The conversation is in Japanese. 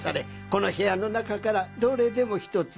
この部屋の中からどれでもひとつ。